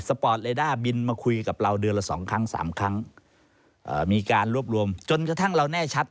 ปอร์ตเลด้าบินมาคุยกับเราเดือนละสองครั้งสามครั้งเอ่อมีการรวบรวมจนกระทั่งเราแน่ชัด